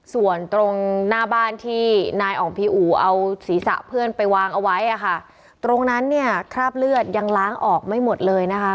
ส่วนตรงหน้าบ้านที่นายอ่องพีอูเอาศีรษะเพื่อนไปวางเอาไว้อ่ะค่ะตรงนั้นเนี่ยคราบเลือดยังล้างออกไม่หมดเลยนะคะ